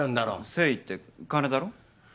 誠意って金だろ？